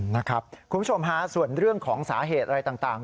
คุณผู้ชมฮะส่วนเรื่องของสาเหตุอะไรต่าง